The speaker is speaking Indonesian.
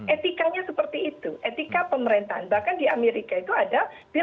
etikanya seperti itu etika pemerintahan dan bahkan di amerika itu ada bill of government ethics